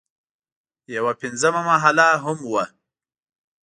یوه پنځمه محله هم وه.